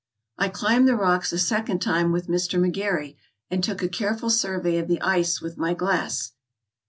I climbed the rocks a second time with Mr. McGary, and took a careful survey of the ice with my glass.